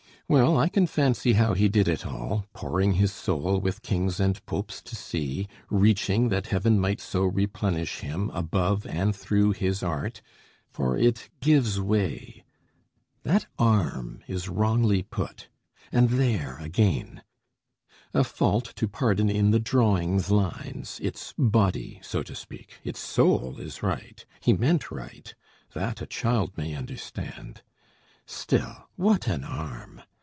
Well, I can fancy how he did it all, Pouring his soul, with kings and popes to see, Reaching, that heaven might so replenish him, Above and through his art for it gives way: That arm is wrongly put and there again A fault to pardon in the drawing's lines, Its body, so to speak; its soul is right; He meant right that, a child may understand. Still, what an arm!